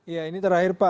iya ini terakhir pak